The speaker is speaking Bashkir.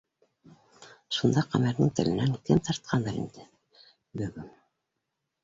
Шунда Ҡәмәрҙең теленән кем тартҡандыр инде, бөгөм